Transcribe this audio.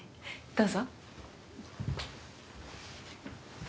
どうぞ。